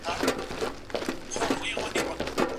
د چا چي درې لوڼي وي او پر هغو صبر وکړي.